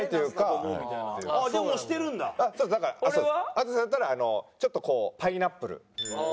淳さんだったらちょっとこうパイナップル。